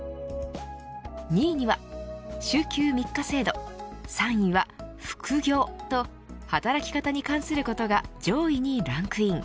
２位には週休３日制度３位は副業と働き方に関することが上位にランクイン。